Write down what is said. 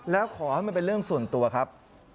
แล้วขอให้มันเป็นเรื่องส่วนตัวครับ